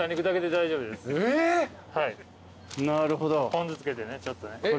ポン酢つけてねちょっとね。